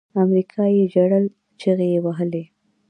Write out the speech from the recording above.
امريکايي ژړل چيغې يې وهلې.